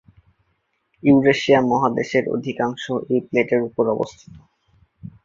Eurasia মহাদেশের অধিকাংশ এই প্লেটের উপর অবস্থিত।